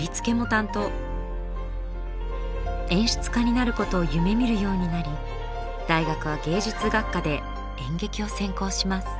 演出家になることを夢みるようになり大学は芸術学科で演劇を専攻します。